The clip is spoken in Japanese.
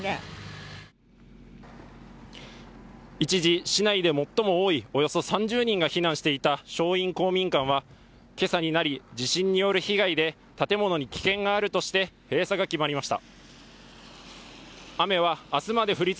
一時、市内で最も多い３０人が避難していた正院公民館はけさになり地震による被害で建物に危険があるとして閉鎖が決まりました。